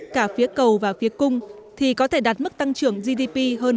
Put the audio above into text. cả phía cầu và phía cung thì có thể đạt mức tăng trưởng gdp hơn